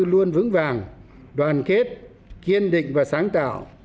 đã đứng vàng đoàn kết kiên định và sáng tạo